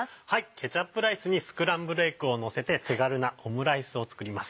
ケチャップライスにスクランブルエッグをのせて手軽なオムライスを作ります。